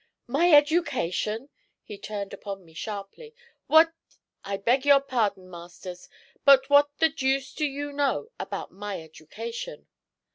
'My education!' He turned upon me sharply. 'What I beg your pardon, Masters, but what the deuce do you know about my education?'